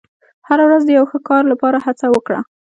• هره ورځ د یو ښه کار لپاره هڅه وکړه.